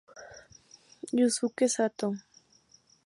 Yusuke Sato